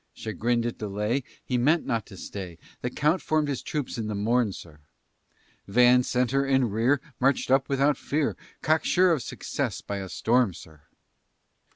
Chagrined at delay, As he meant not to stay, The Count form'd his troops in the morn, sir. Van, centre, and rear March'd up without fear, Cock sure of success, by a storm, sir.